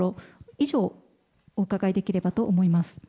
以上、お伺いできればと思います。